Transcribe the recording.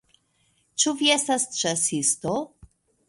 Ĉu vi estas ĉasisto?